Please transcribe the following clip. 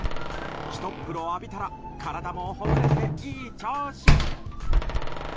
ひとっ風呂浴びたら体もほぐれていい調子！